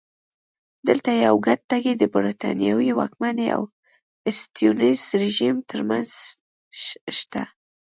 دلته یو ګډ ټکی د برېټانوي واکمنۍ او سټیونز رژیم ترمنځ شته.